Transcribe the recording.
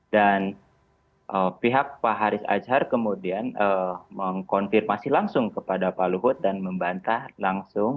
dan pihak pak haris azhar kemudian mengkonfirmasi langsung kepada pak luhut dan membantah langsung